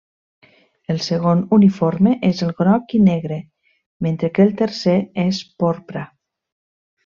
El segon uniforme és el groc i negre, mentre que el tercer és porpra.